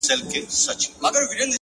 زه د ساقي تر احترامه پوري پاته نه سوم!!